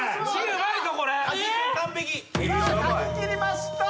書ききりました。